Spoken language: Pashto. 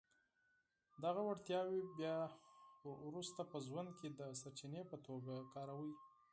دغه وړتياوې بيا وروسته په ژوند کې د سرچینې په توګه کاروئ.